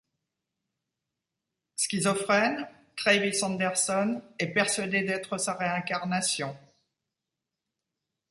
Schizophrène, Travis Anderson est persuadé d'être sa réincarnation.